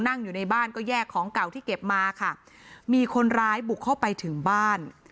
อยู่ในบ้านก็แยกของเก่าที่เก็บมาค่ะมีคนร้ายบุกเข้าไปถึงบ้าน